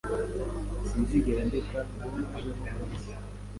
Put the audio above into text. Sinzigera ndeka ngo abeho hasi.